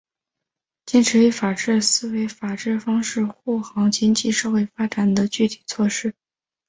坚持以法治思维法治方式护航经济社会发展的具体措施